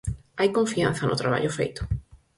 Hai confianza no traballo feito.